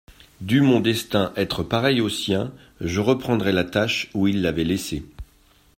Dût mon destin être pareil au sien, je reprendrais la tâche où il l'avait laissée.